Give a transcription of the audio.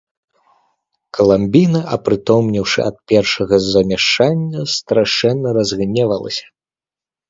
Каламбіна, апрытомнеўшы ад першага замяшання, страшэнна разгневалася.